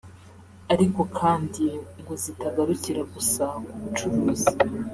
ariko kandi ngo zitagarukira gusa ku bucuruzi